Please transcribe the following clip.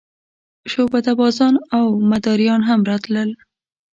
شعبده بازان او مداریان هم راتلل.